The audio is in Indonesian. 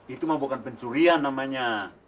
itu mah bukan pencurian namanya